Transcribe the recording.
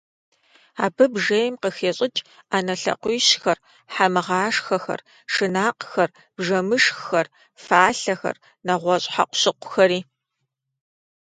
Абы бжейм къыхещӀыкӀ Ӏэнэ лъакъуищхэр, хьэмгъашхэхэр, шынакъхэр, бжэмышххэр, фалъэхэр, нэгъуэщӀ хьэкъущыкъухэри .